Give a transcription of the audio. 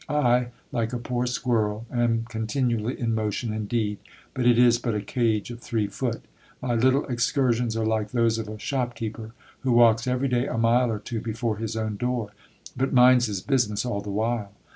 "I, like a poor squirrel, am continually in motion indeed, but it is but a cage of three foot! my little excursions are like those of a shopkeeper, who walks every day a mile or two before his own door, but minds his business all the while."